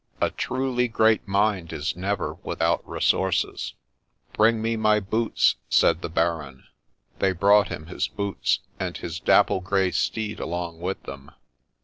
A truly great mind is never without resources. ' Bring me my boots !' said the Baron. They brought him his boots, and his dapple grey steed along with them.